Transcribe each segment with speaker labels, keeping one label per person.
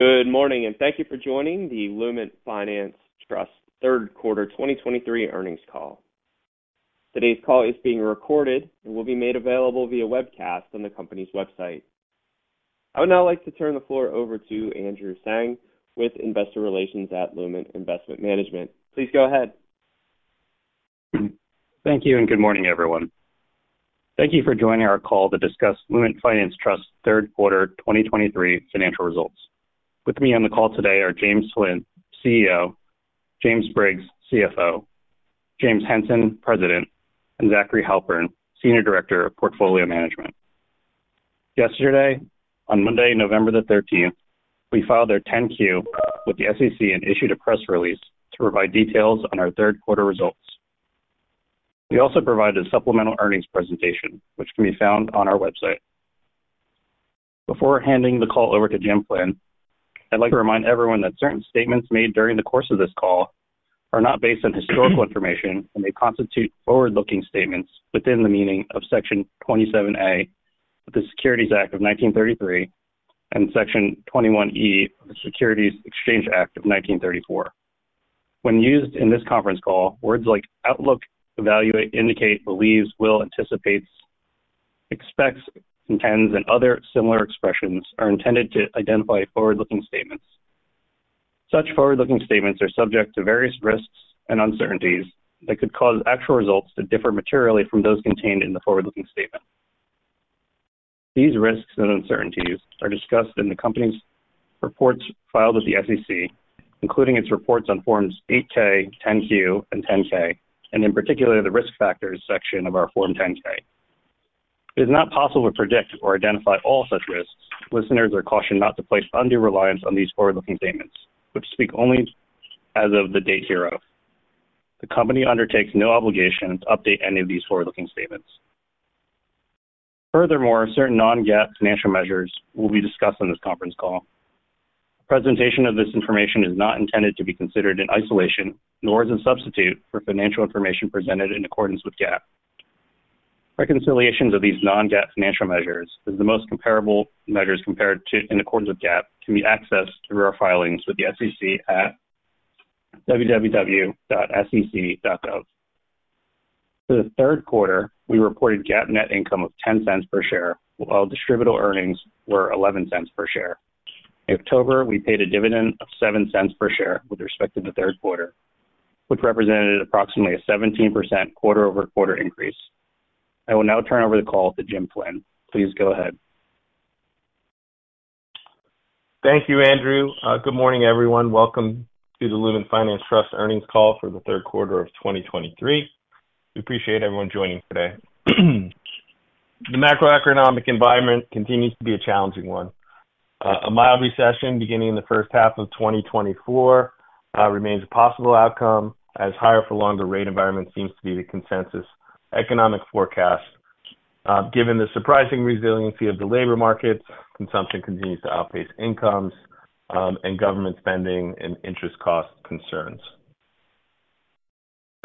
Speaker 1: Good morning, and thank you for joining the Lument Finance Trust third quarter 2023 earnings call. Today's call is being recorded and will be made available via webcast on the company's website. I would now like to turn the floor over to Andrew Tsang with Investor Relations at Lument Investment Management. Please go ahead.
Speaker 2: Thank you, and good morning, everyone. Thank you for joining our call to discuss Lument Finance Trust's third quarter 2023 financial results. With me on the call today are James Flynn, CEO, James Briggs, CFO, James Henson, President, and Zachary Halpern, Senior Director of Portfolio Management. Yesterday, on Monday, November 13, we filed our 10-Q with the SEC and issued a press release to provide details on our third quarter results. We also provided a supplemental earnings presentation, which can be found on our website. Before handing the call over to Jim Flynn, I'd like to remind everyone that certain statements made during the course of this call are not based on historical information, and they constitute forward-looking statements within the meaning of Section 27A of the Securities Act of 1933 and Section 21E of the Securities Exchange Act of 1934. When used in this conference call, words like outlook, evaluate, indicate, believes, will, anticipates, expects, intends, and other similar expressions are intended to identify forward-looking statements. Such forward-looking statements are subject to various risks and uncertainties that could cause actual results to differ materially from those contained in the forward-looking statement. These risks and uncertainties are discussed in the company's reports filed with the SEC, including its reports on Forms 8-K, 10-Q, and 10-K, and in particular, the risk factors section of our Form 10-K. It is not possible to predict or identify all such risks. Listeners are cautioned not to place undue reliance on these forward-looking statements, which speak only as of the date hereof. The company undertakes no obligation to update any of these forward-looking statements. Furthermore, certain non-GAAP financial measures will be discussed on this conference call. Presentation of this information is not intended to be considered in isolation, nor as a substitute for financial information presented in accordance with GAAP. Reconciliations of these non-GAAP financial measures is the most comparable measures compared to in accordance with GAAP, can be accessed through our filings with the SEC at www.sec.gov. For the third quarter, we reported GAAP net income of $0.10 per share, while distributable earnings were $0.11 per share. In October, we paid a dividend of $0.07 per share with respect to the third quarter, which represented approximately a 17% quarter-over-quarter increase. I will now turn over the call to Jim Flynn. Please go ahead.
Speaker 3: Thank you, Andrew. Good morning, everyone. Welcome to the Lument Finance Trust earnings call for the third quarter of 2023. We appreciate everyone joining today. The macroeconomic environment continues to be a challenging one. A mild recession beginning in the first half of 2024 remains a possible outcome, as higher for longer rate environment seems to be the consensus economic forecast. Given the surprising resiliency of the labor markets, consumption continues to outpace incomes, and government spending and interest cost concerns.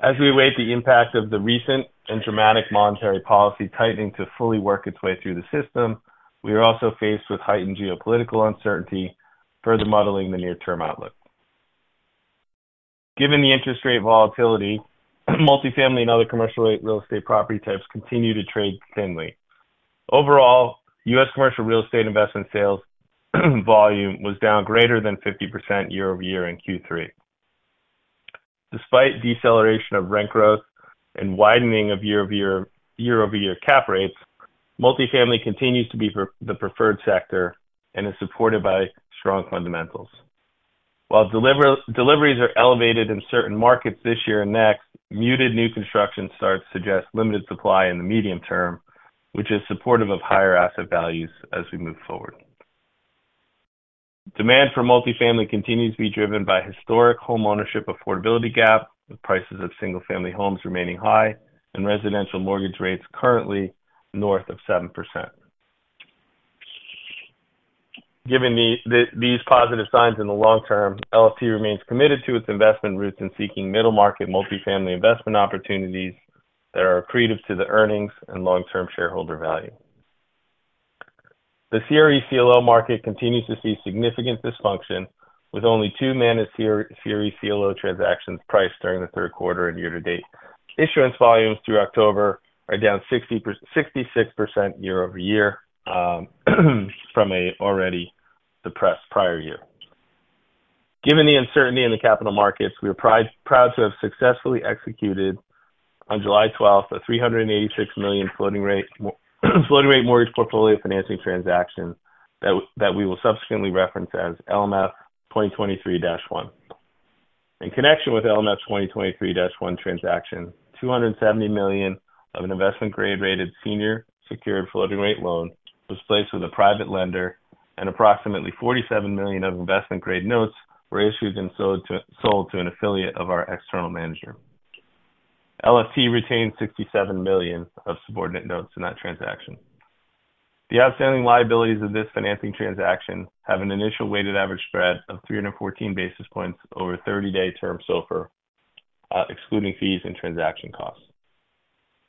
Speaker 3: As we await the impact of the recent and dramatic monetary policy tightening to fully work its way through the system, we are also faced with heightened geopolitical uncertainty, further muddling the near-term outlook. Given the interest rate volatility, multifamily and other commercial real estate property types continue to trade thinly. Overall, U.S. commercial real estate investment sales volume was down greater than 50% year-over-year in Q3. Despite deceleration of rent growth and widening of year-over-year cap rates, multifamily continues to be the preferred sector and is supported by strong fundamentals. While deliveries are elevated in certain markets this year and next, muted new construction starts suggest limited supply in the medium term, which is supportive of higher asset values as we move forward. Demand for multifamily continues to be driven by historic homeownership affordability gap, with prices of single-family homes remaining high and residential mortgage rates currently north of 7%. Given these positive signs in the long term, LFT remains committed to its investment roots in seeking middle-market multifamily investment opportunities that are accretive to the earnings and long-term shareholder value. The CRE CLO market continues to see significant dysfunction, with only two managed CRE CLO transactions priced during the third quarter and year-to-date. Issuance volumes through October are down 66% year-over-year from an already depressed prior year. Given the uncertainty in the capital markets, we are proud to have successfully executed on July twelfth a $386 million floating rate mortgage portfolio financing transaction that we will subsequently reference as LMF 2023-1. In connection with LMF 2023-1 transaction, $270 million of an investment-grade-rated senior secured floating rate loan was placed with a private lender, and approximately $47 million of investment-grade notes were issued and sold to an affiliate of our external manager. LFT retained $67 million of subordinate notes in that transaction. The outstanding liabilities of this financing transaction have an initial weighted average spread of 314 basis points over a 30-day term SOFR, excluding fees and transaction costs.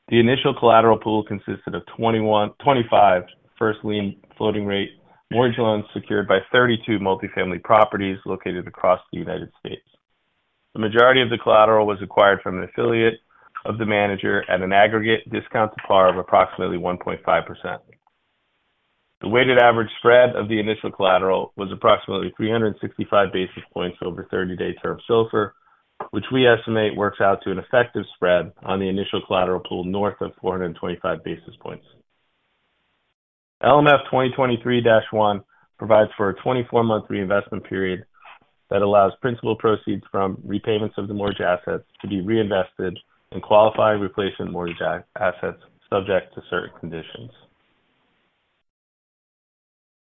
Speaker 3: The initial collateral pool consisted of 21-25 first lien floating rate mortgage loans secured by 32 multifamily properties located across the United States. The majority of the collateral was acquired from an affiliate of the manager at an aggregate discount to par of approximately 1.5%. The weighted average spread of the initial collateral was approximately 365 basis points over 30-day term SOFR, which we estimate works out to an effective spread on the initial collateral pool north of 425 basis points. LMF 2023-1 provides for a 24-month reinvestment period that allows principal proceeds from repayments of the mortgage assets to be reinvested in qualified replacement mortgage assets, subject to certain conditions.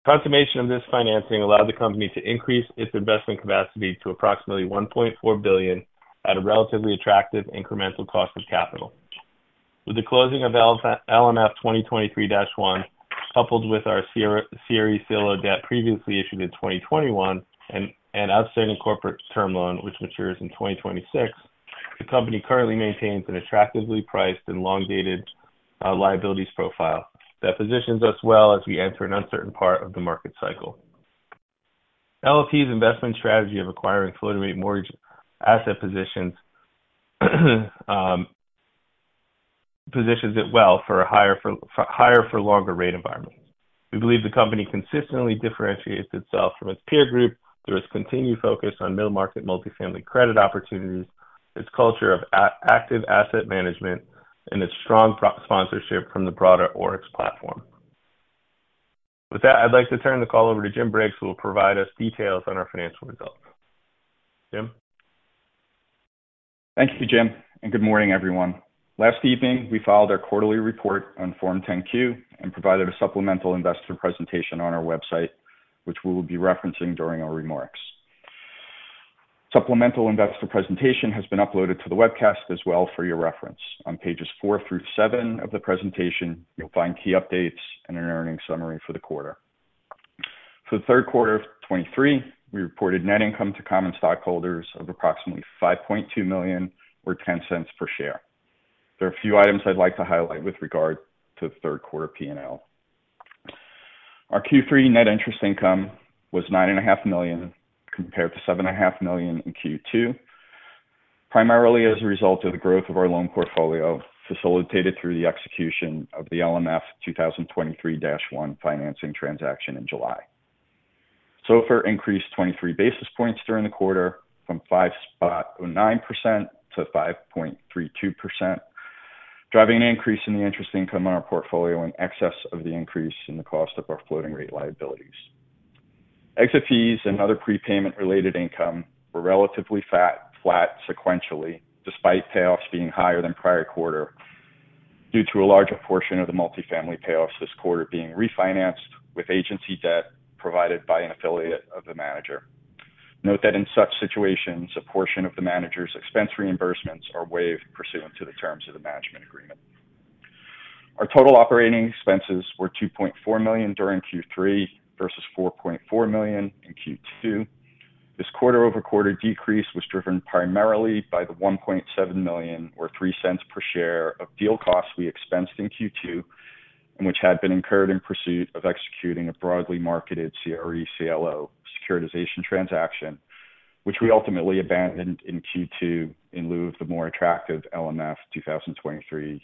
Speaker 3: Consummation of this financing allowed the company to increase its investment capacity to approximately $1.4 billion at a relatively attractive incremental cost of capital. With the closing of LMF 2023-1, coupled with our CRE CLO debt previously issued in 2021 and outstanding corporate term loan, which matures in 2026, the company currently maintains an attractively priced and long-dated liabilities profile that positions us well as we enter an uncertain part of the market cycle. LFT's investment strategy of acquiring floating rate mortgage asset positions positions it well for a higher for longer rate environment. We believe the company consistently differentiates itself from its peer group through its continued focus on middle market multifamily credit opportunities, its culture of active asset management, and its strong sponsorship from the broader ORIX platform. With that, I'd like to turn the call over to Jim Briggs, who will provide us details on our financial results. Jim?
Speaker 4: Thank you, Jim, and good morning, everyone. Last evening, we filed our quarterly report on Form 10-Q and provided a supplemental investor presentation on our website, which we will be referencing during our remarks. Supplemental investor presentation has been uploaded to the webcast as well for your reference. On pages four through seven of the presentation, you'll find key updates and an earnings summary for the quarter. For the third quarter of 2023, we reported net income to common stockholders of approximately $5.2 million, or $0.10 per share. There are a few items I'd like to highlight with regard to the third quarter P&L. Our Q3 net interest income was $9.5 million, compared to $7.5 million in Q2, primarily as a result of the growth of our loan portfolio, facilitated through the execution of the LMF 2023-1 financing transaction in July. SOFR increased 23 basis points during the quarter from 5.09% to 5.32%, driving an increase in the interest income on our portfolio in excess of the increase in the cost of our floating-rate liabilities. Exit fees and other prepayment-related income were relatively flat sequentially, despite payoffs being higher than prior quarter, due to a larger portion of the multifamily payoffs this quarter being refinanced with agency debt provided by an affiliate of the manager. Note that in such situations, a portion of the manager's expense reimbursements are waived pursuant to the terms of the management agreement. Our total operating expenses were $2.4 million during Q3 versus $4.4 million in Q2. This quarter-over-quarter decrease was driven primarily by the $1.7 million, or $0.03 per share of deal costs we expensed in Q2, and which had been incurred in pursuit of executing a broadly marketed CRE CLO securitization transaction, which we ultimately abandoned in Q2 in lieu of the more attractive LMF 2023-1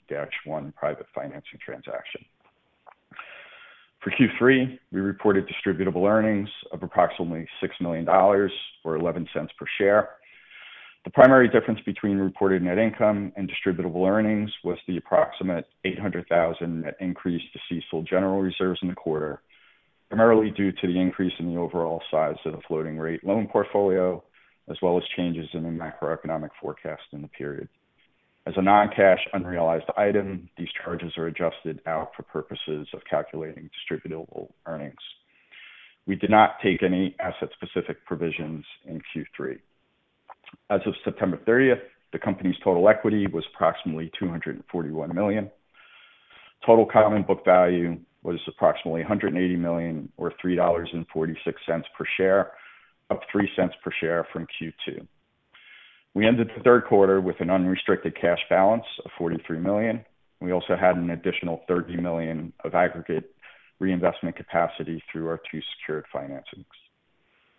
Speaker 4: private financing transaction. For Q3, we reported distributable earnings of approximately $6 million, or $0.11 per share. The primary difference between reported net income and distributable earnings was the approximate $800,000 net increase to CECL general reserves in the quarter, primarily due to the increase in the overall size of the floating-rate loan portfolio, as well as changes in the macroeconomic forecast in the period. As a non-cash, unrealized item, these charges are adjusted out for purposes of calculating distributable earnings. We did not take any asset-specific provisions in Q3. As of September 30th, the company's total equity was approximately $241 million. Total common book value was approximately $180 million, or $3.46 per share, up $0.03 per share from Q2. We ended the third quarter with an unrestricted cash balance of $43 million. We also had an additional $30 million of aggregate reinvestment capacity through our two secured financings.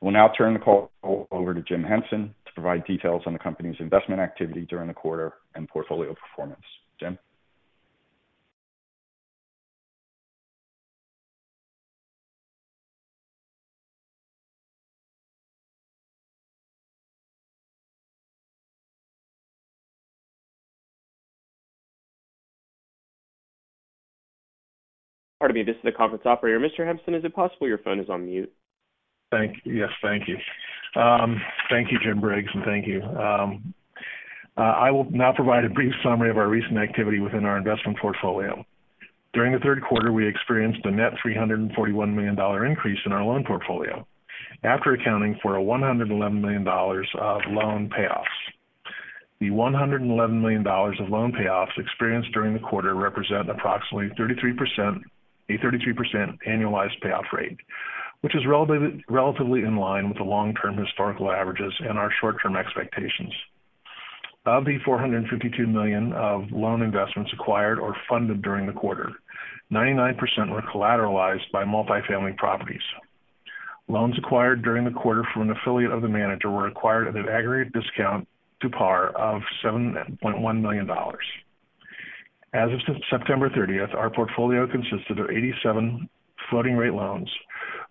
Speaker 4: We'll now turn the call over to Jim Henson to provide details on the company's investment activity during the quarter and portfolio performance. Jim?
Speaker 1: Pardon me. This is the conference operator. Mr. Henson, is it possible your phone is on mute?
Speaker 5: Thank you. Yes, thank you. Thank you, Jim Briggs, and thank you. I will now provide a brief summary of our recent activity within our investment portfolio. During the third quarter, we experienced a net $341 million increase in our loan portfolio, after accounting for $111 million of loan payoffs. The $111 million of loan payoffs experienced during the quarter represent approximately 33%, a 33% annualized payoff rate, which is relatively, relatively in line with the long-term historical averages and our short-term expectations. Of the $452 million of loan investments acquired or funded during the quarter, 99% were collateralized by multifamily properties. Loans acquired during the quarter from an affiliate of the manager were acquired at an aggregate discount to par of $7.1 million. As of September 30, our portfolio consisted of 87 floating rate loans,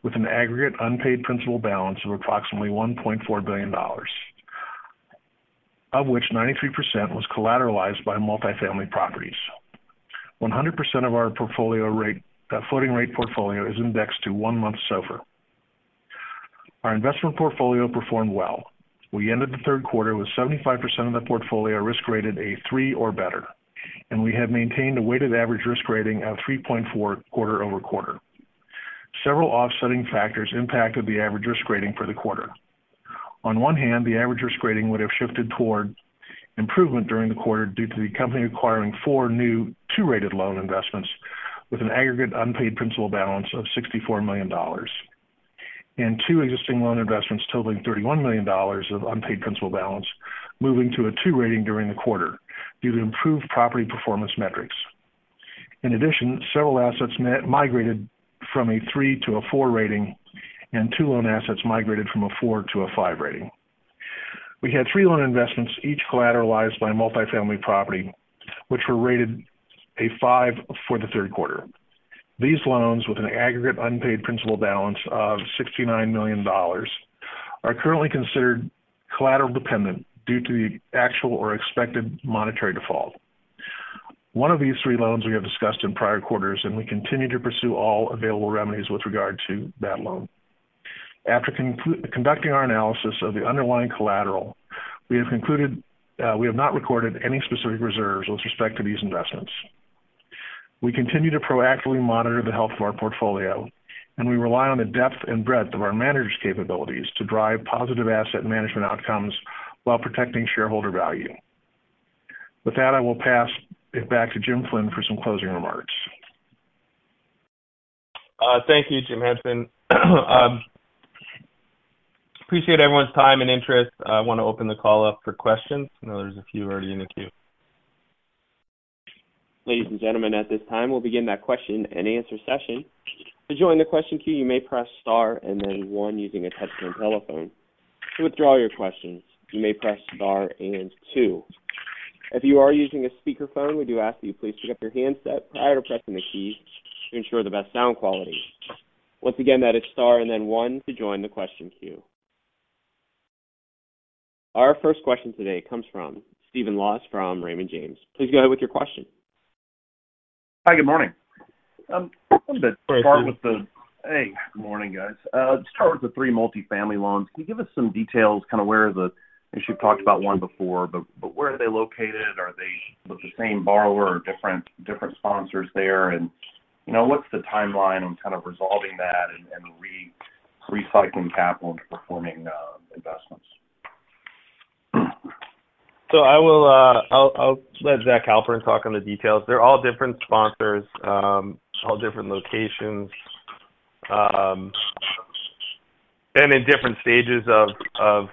Speaker 5: with an aggregate unpaid principal balance of approximately $1.4 billion, of which 93% was collateralized by multifamily properties. 100% of our floating rate portfolio is indexed to one-month SOFR. Our investment portfolio performed well. We ended the third quarter with 75% of the portfolio risk rated a three or better, and we have maintained a weighted average risk rating of 3.4 quarter-over-quarter. Several offsetting factors impacted the average risk rating for the quarter. On one hand, the average risk rating would have shifted toward improvement during the quarter due to the company acquiring four new two-rated loan investments with an aggregate unpaid principal balance of $64 million, and two existing loan investments totaling $31 million of unpaid principal balance, moving to a two rating during the quarter due to improved property performance metrics. In addition, several assets migrated from a three to a four rating, and two loan assets migrated from a four to a five rating. We had three loan investments, each collateralized by a multifamily property, which were rated a five for the third quarter. These loans, with an aggregate unpaid principal balance of $69 million, are currently considered collateral dependent due to the actual or expected monetary default. One of these three loans we have discussed in prior quarters, and we continue to pursue all available remedies with regard to that loan. After conducting our analysis of the underlying collateral, we have concluded, we have not recorded any specific reserves with respect to these investments. We continue to proactively monitor the health of our portfolio, and we rely on the depth and breadth of our manager's capabilities to drive positive asset management outcomes while protecting shareholder value. With that, I will pass it back to Jim Flynn for some closing remarks.
Speaker 3: Thank you, James Henson. Appreciate everyone's time and interest. I want to open the call up for questions. I know there's a few already in the queue.
Speaker 1: Ladies and gentlemen, at this time, we'll begin that question and answer session. To join the question queue, you may press star and then one using a touch-tone telephone. To withdraw your questions, you may press star and two. If you are using a speakerphone, we do ask that you please pick up your handset prior to pressing the key to ensure the best sound quality. Once again, that is star and then one to join the question queue. Our first question today comes from Stephen Laws from Raymond James. Please go ahead with your question.
Speaker 6: Hi, good morning.
Speaker 3: Hi, Steven.
Speaker 6: Hey, good morning, guys. To start with the three multifamily loans, can you give us some details, kind of where the... I know you've talked about one before, but where are they located? Are they with the same borrower or different sponsors there? And, you know, what's the timeline on kind of resolving that and recycling capital into performing investments?
Speaker 3: So I'll let Zach Halpern talk on the details. They're all different sponsors, all different locations, and in different stages of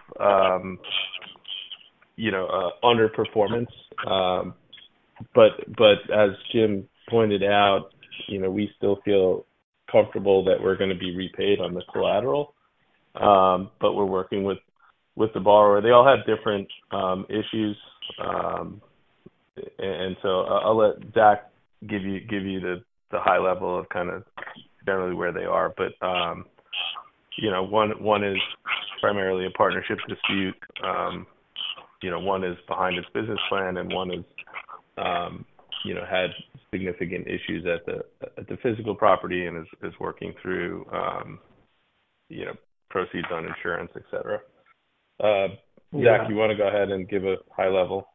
Speaker 3: you know, underperformance. But as Jim pointed out, you know, we still feel comfortable that we're going to be repaid on the collateral, but we're working with the borrower. They all have different issues. So I'll let Zach give you the high level of kind of generally where they are. But you know, one is primarily a partnership dispute, you know, one is behind its business plan, and one you know, had significant issues at the physical property and is working through you know, proceeds on insurance, et cetera. Zach, you want to go ahead and give a high level?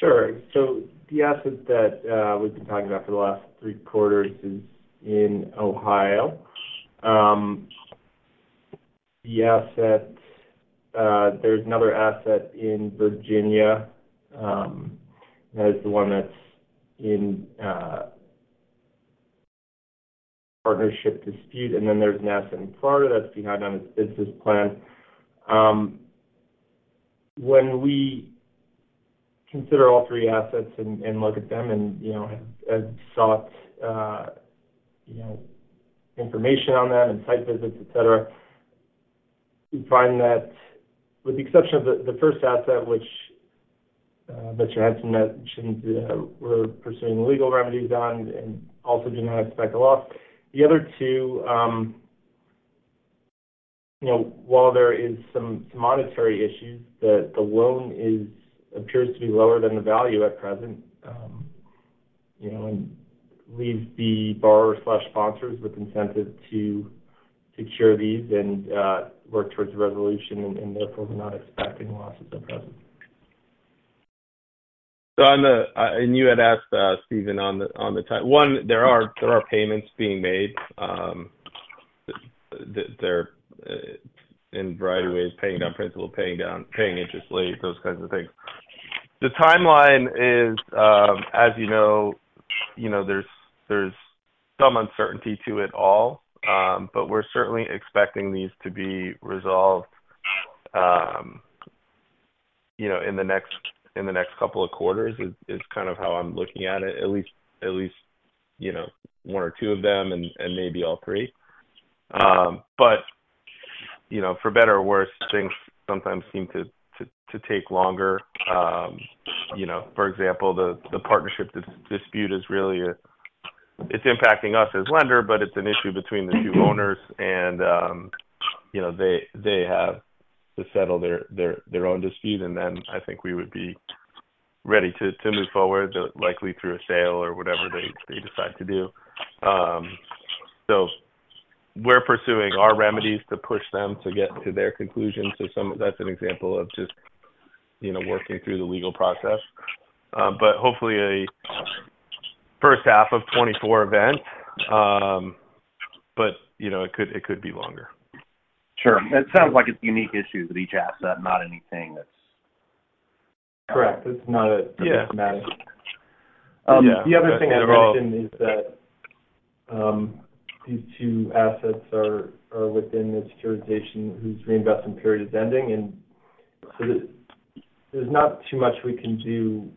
Speaker 7: Sure. So the asset that we've been talking about for the last three quarters is in Ohio. The asset, there's another asset in Virginia that is the one that's in a partnership dispute, and then there's an asset in Florida that's behind on its business plan. When we consider all three assets and look at them and, you know, have sought, you know, information on them and site visits, et cetera, we find that with the exception of the first asset, which that James Henson mentioned, we're pursuing legal remedies on and also do not expect a loss. The other two, you know, while there is some monetary issues, the loan appears to be lower than the value at present, you know, and leaves the borrower/sponsors with incentive to cure these and work towards a resolution, and therefore, we're not expecting losses at present.
Speaker 3: And you had asked, Steve, on the timeline. There are payments being made. They're in a variety of ways, paying down principal, paying interest late, those kinds of things. The timeline is, as you know, you know, there's some uncertainty to it all. But we're certainly expecting these to be resolved, you know, in the next couple of quarters, is kind of how I'm looking at it. At least, you know, one or two of them and maybe all three. But, you know, for better or worse, things sometimes seem to take longer. You know, for example, the partnership dispute is really—it's impacting us as lender, but it's an issue between the two owners and, you know, they have to settle their own dispute, and then I think we would be ready to move forward, likely through a sale or whatever they decide to do. So we're pursuing our remedies to push them to get to their conclusion. So that's an example of just, you know, working through the legal process. But hopefully a first half of 2024 event, but you know, it could be longer.
Speaker 6: Sure. It sounds like it's unique issues with each asset, not anything that's-
Speaker 7: Correct. It's not a-
Speaker 6: Yeah.
Speaker 3: -dramatic.
Speaker 6: Yeah.
Speaker 7: The other thing I'd mention is that these two assets are within the securitization, whose reinvestment period is ending, and so there's not too much we can do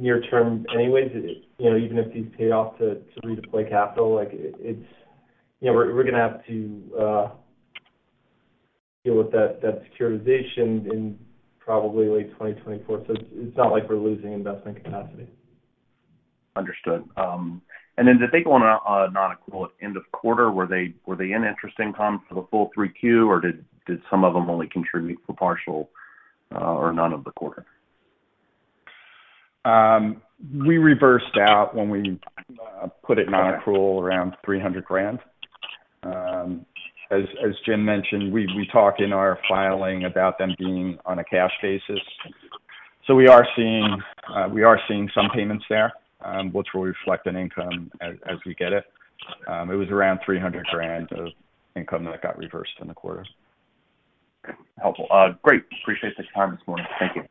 Speaker 7: near term anyways. You know, even if these paid off to redeploy capital, like it, it's... You know, we're gonna have to deal with that securitization in probably late 2024. So it's not like we're losing investment capacity.
Speaker 6: Understood. And then, did they go on a nonaccrual at end of quarter? Were they in interest income for the full three Q, or did some of them only contribute for partial or none of the quarter?
Speaker 7: We reversed out when we put it nonaccrual around $300,000. As Jim mentioned, we talk in our filing about them being on a cash basis. So we are seeing some payments there, which will reflect an income as we get it. It was around $300,000 of income that got reversed in the quarter.
Speaker 6: Helpful. Great. Appreciate the time this morning. Thank you.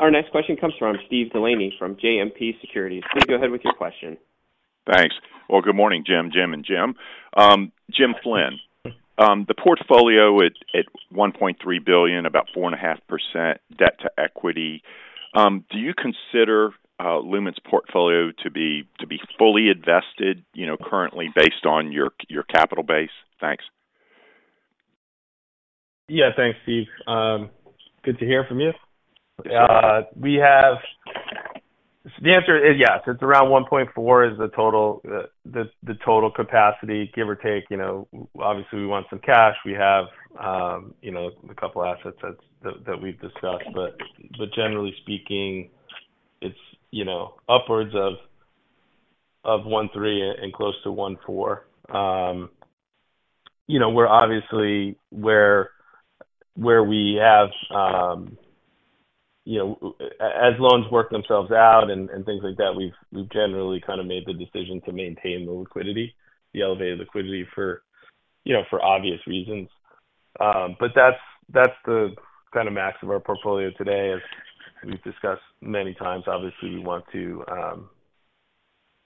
Speaker 1: Our next question comes from Steve Delaney from JMP Securities. Steve, go ahead with your question.
Speaker 8: Thanks. Well, good morning, Jim, Jim, and Jim. Jim Flynn. The portfolio at $1.3 billion, about 4.5% debt to equity, do you consider Lument's portfolio to be fully invested, you know, currently based on your capital base? Thanks.
Speaker 3: Yeah. Thanks, Steve. Good to hear from you. We have. The answer is yes. It's around $1.4 is the total capacity, give or take. You know, obviously, we want some cash. We have, you know, a couple assets that we've discussed. But generally speaking, it's, you know, upwards of $1.3 and close to $1.4. You know, we're obviously where we have. You know, as loans work themselves out and things like that, we've generally kind of made the decision to maintain the liquidity, the elevated liquidity for, you know, for obvious reasons. But that's the kind of max of our portfolio today. As we've discussed many times, obviously, we want to,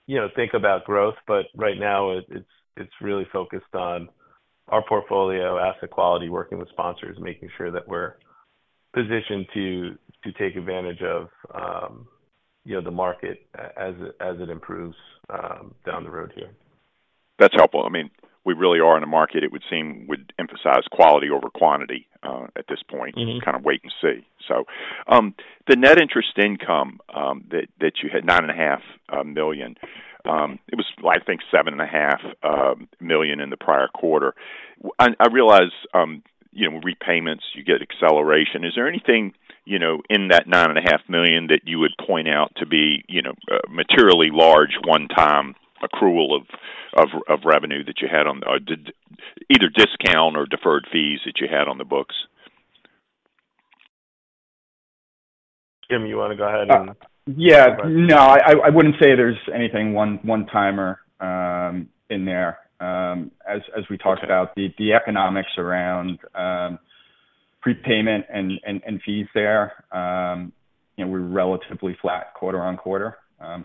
Speaker 3: you know, think about growth, but right now, it's really focused on our portfolio, asset quality, working with sponsors, making sure that we're positioned to take advantage of, you know, the market as it improves down the road here.
Speaker 8: That's helpful. I mean, we really are in a market, it would seem, would emphasize quality over quantity, at this point. Just kind of wait and see. So, the net interest income that you had, $9.5 million, it was, I think, $7.5 million in the prior quarter. I realize, you know, repayments, you get acceleration. Is there anything, you know, in that $9.5 million that you would point out to be, you know, materially large one-time accrual of revenue that you had on either discount or deferred fees that you had on the books?
Speaker 3: Jim, you want to go ahead?
Speaker 4: Yeah. No, I wouldn't say there's anything one-timer in there. As we talked about, the economics around prepayment and fees there, you know, we're relatively flat quarter-over-quarter.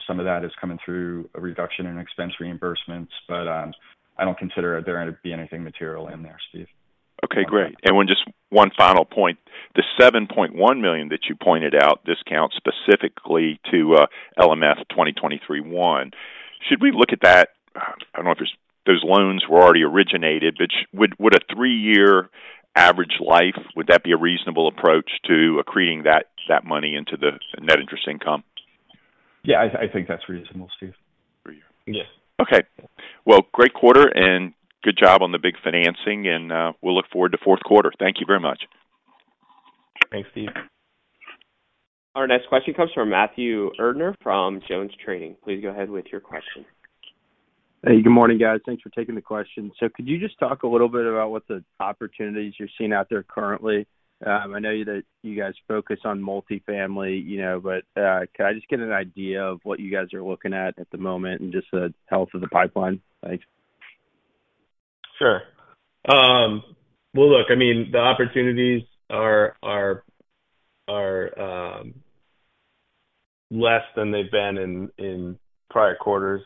Speaker 4: Some of that is coming through a reduction in expense reimbursements, but I don't consider there to be anything material in there, Steve.
Speaker 8: Okay, great. And then just one final point: the $7.1 million that you pointed out, discounts specifically to LMF 2023-1. Should we look at that? I don't know if those loans were already originated, but would a three-year average life be a reasonable approach to accreting that money into the net interest income?
Speaker 4: Yeah, I think that's reasonable, Steve.
Speaker 8: Agreed.
Speaker 4: Yes.
Speaker 8: Okay. Well, great quarter, and good job on the big financing, and we'll look forward to fourth quarter. Thank you very much.
Speaker 4: Thanks, Steve.
Speaker 1: Our next question comes from Matthew Erdner from JonesTrading. Please go ahead with your question.
Speaker 9: Hey, good morning, guys. Thanks for taking the question. So could you just talk a little bit about what the opportunities you're seeing out there currently? I know that you guys focus on multifamily, you know, but can I just get an idea of what you guys are looking at at the moment and just the health of the pipeline? Thanks.
Speaker 3: Sure. Well, look, I mean, the opportunities are less than they've been in prior quarters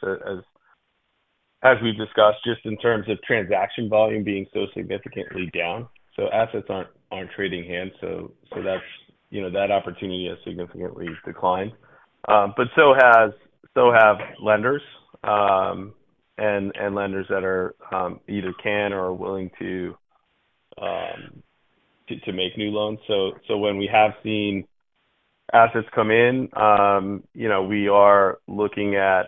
Speaker 3: as we've discussed, just in terms of transaction volume being so significantly down. So assets aren't on trading hands, so that's, you know, that opportunity has significantly declined. But so have lenders, and lenders that are either can or are willing to make new loans. So when we have seen assets come in, you know, we are looking at,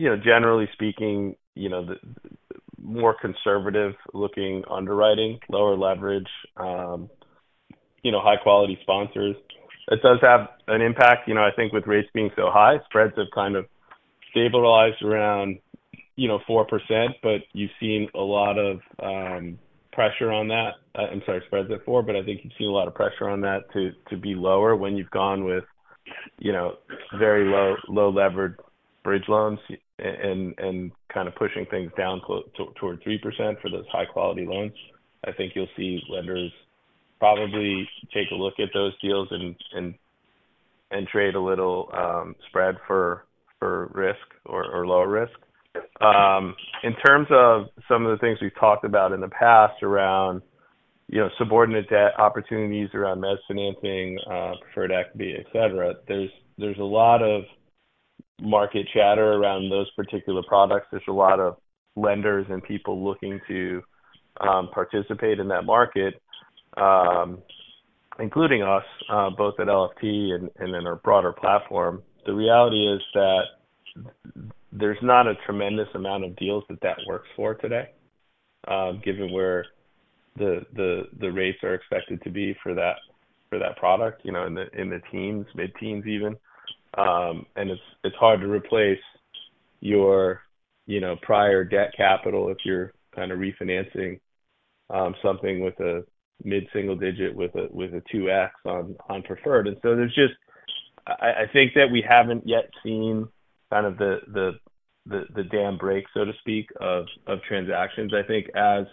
Speaker 3: you know, generally speaking, you know, the more conservative looking underwriting, lower leverage, you know, high quality sponsors. It does have an impact. You know, I think with rates being so high, spreads have kind of stabilized around, you know, 4%, but you've seen a lot of pressure on that. I'm sorry, spreads at 4%, but I think you've seen a lot of pressure on that to be lower when you've gone with, you know, very low levered bridge loans and kind of pushing things down to towards 3% for those high quality loans. I think you'll see lenders probably take a look at those deals and trade a little spread for risk or lower risk. In terms of some of the things we've talked about in the past around, you know, subordinate debt opportunities, around mezz financing, preferred equity, etc, there's a lot of market chatter around those particular products. There's a lot of lenders and people looking to participate in that market, including us, both at LFT and then our broader platform. The reality is that there's not a tremendous amount of deals that works for today, given where the rates are expected to be for that product, you know, in the teens, mid-teens even. And it's hard to replace your prior debt capital if you're kind of refinancing something with a mid-single digit, with a 2x on preferred. And so there's just... I think that we haven't yet seen kind of the dam break, so to speak, of transactions. I think as,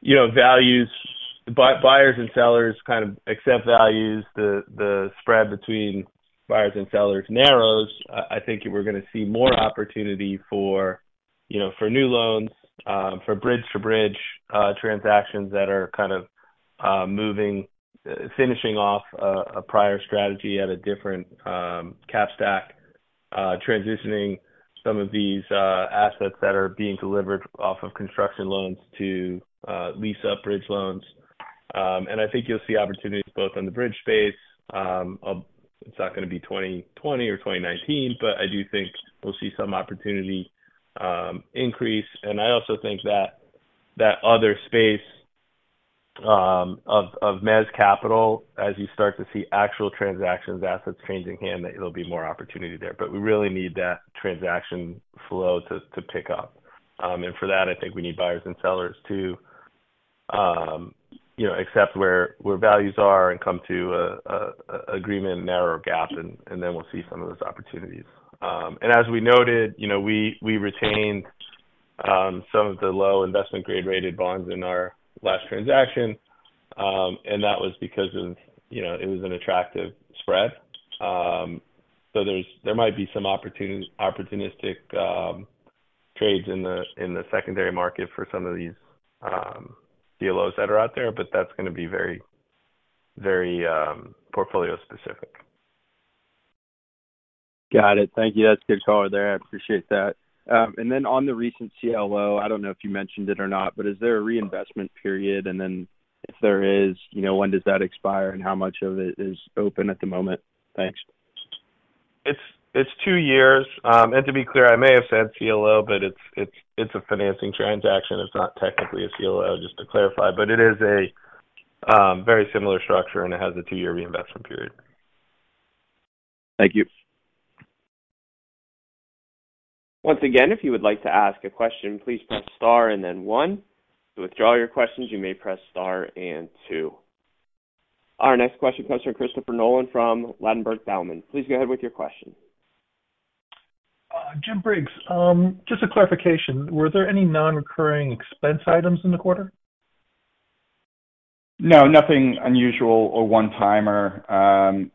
Speaker 3: you know, values, buyers and sellers kind of accept values, the spread between buyers and sellers narrows. I think we're going to see more opportunity for, you know, for new loans, for bridge-to-bridge transactions that are kind of moving, finishing off a prior strategy at a different cap stack, transitioning some of these assets that are being delivered off of construction loans to lease-up bridge loans. And I think you'll see opportunities both on the bridge space. It's not going to be 2020 or 2019, but I do think we'll see some opportunity increase. And I also think that other space of mezz capital, as you start to see actual transactions, assets changing hands, that there'll be more opportunity there. But we really need that transaction flow to pick up. And for that, I think we need buyers and sellers to, you know, accept where values are and come to an agreement, narrower gap, and then we'll see some of those opportunities. And as we noted, you know, we retained some of the low investment grade rated bonds in our last transaction, and that was because of, you know, it was an attractive spread. So there's, there might be some opportunistic trades in the secondary market for some of these CLOs that are out there, but that's going to be very, very portfolio specific.
Speaker 9: Got it. Thank you. That's good color there. I appreciate that. And then on the recent CLO, I don't know if you mentioned it or not, but is there a reinvestment period? And then if there is, you know, when does that expire and how much of it is open at the moment? Thanks.
Speaker 3: It's two years. And to be clear, I may have said CLO, but it's a financing transaction. It's not technically a CLO, just to clarify, but it is a very similar structure, and it has a two-year reinvestment period.
Speaker 9: Thank you.
Speaker 1: Once again, if you would like to ask a question, please press star and then one. To withdraw your questions, you may press star and two. Our next question comes from Christopher Nolan from Ladenburg Thalmann. Please go ahead with your question.
Speaker 10: Jim Briggs, just a clarification. Were there any non-recurring expense items in the quarter?
Speaker 4: No, nothing unusual or one-timer.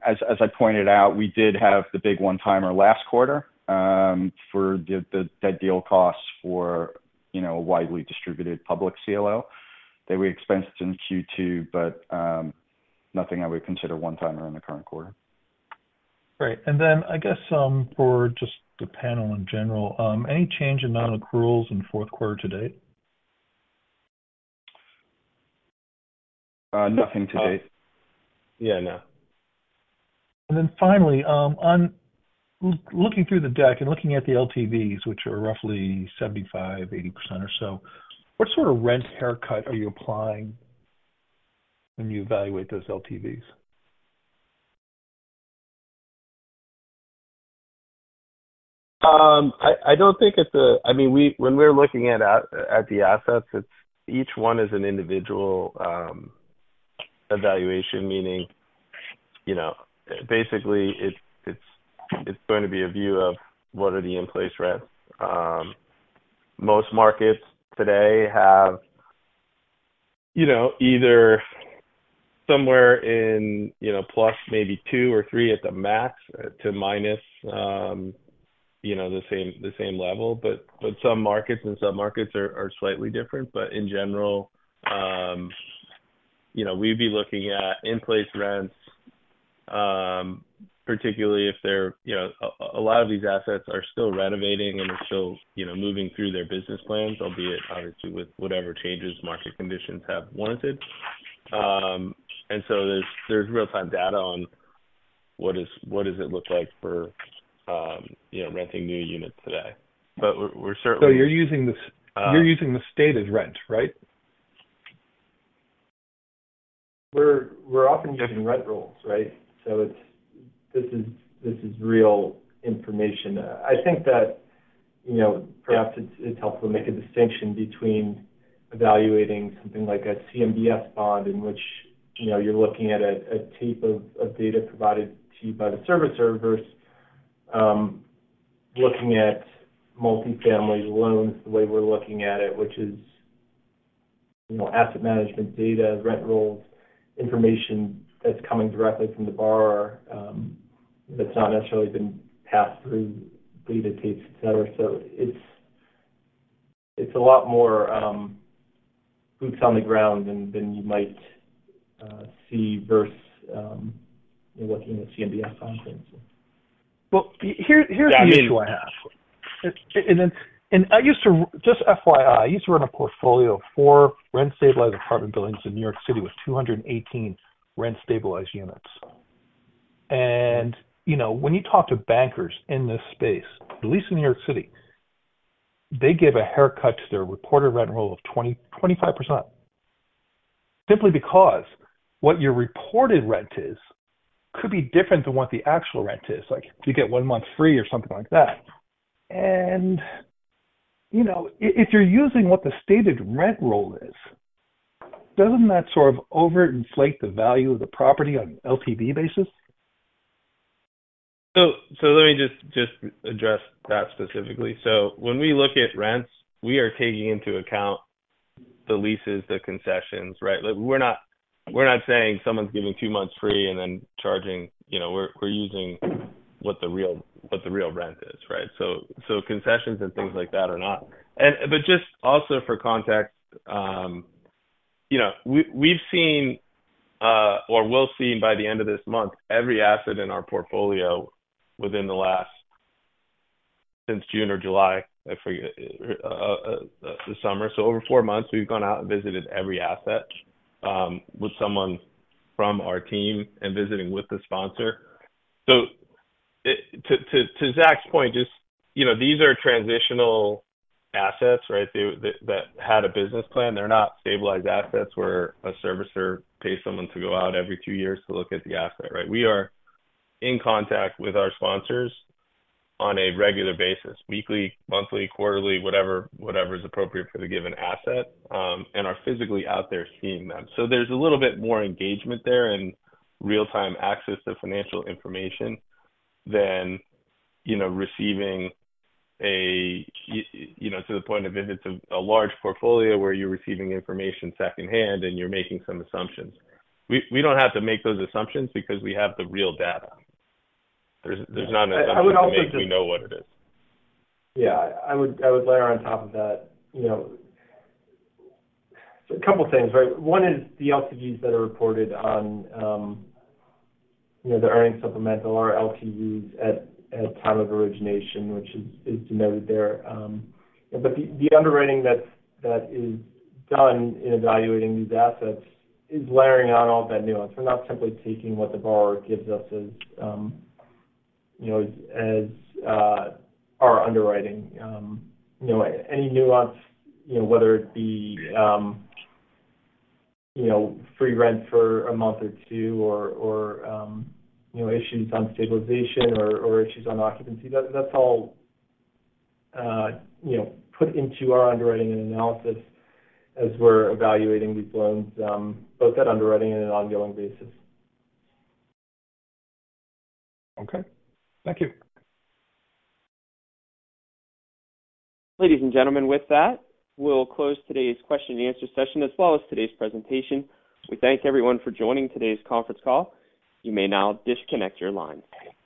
Speaker 4: As I pointed out, we did have the big one-timer last quarter for the that deal costs for, you know, a widely distributed public CLO that we expensed in Q2, but nothing I would consider one-timer in the current quarter.
Speaker 10: Great. And then I guess, for just the panel in general, any change in non-accruals in fourth quarter to date?
Speaker 4: Nothing to date.
Speaker 3: Yeah, no.
Speaker 10: And then finally, on looking through the deck and looking at the LTVs, which are roughly 75%-80% or so, what sort of rent haircut are you applying when you evaluate those LTVs?
Speaker 3: I don't think it's. I mean, when we're looking at the assets, it's each one is an individual evaluation, meaning you know, basically, it's going to be a view of what are the in-place rents. Most markets today have, you know, either somewhere in, you know, plus maybe two or three at the max, to minus the same level. But some markets are slightly different. But in general, you know, we'd be looking at in-place rents, particularly if they're, you know, a lot of these assets are still renovating and are still, you know, moving through their business plans, albeit obviously with whatever changes market conditions have warranted. And so there's real-time data on what does it look like for, you know, renting new units today? But we're certainly-
Speaker 10: So you're using this, you're using the stated rent, right?
Speaker 7: We're often using rent rolls, right? So it's—this is real information. I think that, you know, perhaps it's helpful to make a distinction between evaluating something like a CMBS bond, in which, you know, you're looking at a tape of data provided to you by the servicers, looking at multifamily loans, the way we're looking at it, which is, you know, asset management data, rent rolls, information that's coming directly from the borrower, that's not necessarily been passed through data tapes, et cetera. So it's a lot more boots on the ground than you might see versus looking at CMBS bond things.
Speaker 10: Well, here's the issue I have. And I used to... Just FYI, I used to run a portfolio of four rent-stabilized apartment buildings in New York City with 218 rent-stabilized units. And, you know, when you talk to bankers in this space, at least in New York City, they give a haircut to their reported rent roll of 20%-25%. Simply because what your reported rent is, could be different than what the actual rent is, like, if you get one month free or something like that. And, you know, if you're using what the stated rent roll is, doesn't that sort of overinflate the value of the property on an LTV basis?
Speaker 3: So, so let me just, just address that specifically. So when we look at rents, we are taking into account the leases, the concessions, right? We're not, we're not saying someone's giving two months free and then charging... You know, we're, we're using what the real, what the real rent is, right? So concessions and things like that are not. But just also for context, you know, we, we've seen, or will see by the end of this month, every asset in our portfolio within the last, since June or July, I forget, the summer. So over four months, we've gone out and visited every asset, with someone from our team and visiting with the sponsor. So, to, to Zach's point, just, you know, these are transitional assets, right? They, that, that had a business plan. They're not stabilized assets where a servicer pays someone to go out every two years to look at the asset, right? We are in contact with our sponsors on a regular basis, weekly, monthly, quarterly, whatever, whatever is appropriate for the given asset, and are physically out there seeing them. So there's a little bit more engagement there and real-time access to financial information than, you know, receiving a, you know, to the point of if it's a, a large portfolio where you're receiving information secondhand and you're making some assumptions. We, we don't have to make those assumptions because we have the real data. There's, there's not an assumption to make. We know what it is.
Speaker 7: Yeah, I would layer on top of that, you know, a couple of things, right? One is the LTVs that are reported on, you know, the earnings supplemental or LTVs at time of origination, which is noted there. But the underwriting that is done in evaluating these assets is layering on all that nuance. We're not simply taking what the borrower gives us as, you know, as our underwriting. You know, any nuance, you know, whether it be, you know, free rent for a month or two, or you know, issues on stabilization or issues on occupancy, that's all, you know, put into our underwriting and analysis as we're evaluating these loans, both at underwriting and on an ongoing basis.
Speaker 10: Okay. Thank you.
Speaker 1: Ladies and gentlemen, with that, we'll close today's question-and-answer session, as well as today's presentation. We thank everyone for joining today's conference call. You may now disconnect your line.